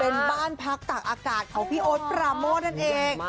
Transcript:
เป็นบ้านพักตากอากาศของพี่โอ๊ตปราโมทนั่นเอง